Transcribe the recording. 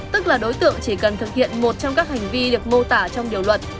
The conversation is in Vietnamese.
tức là đối tượng chỉ cần thực hiện một trong các hành vi được mô tả trong điều luật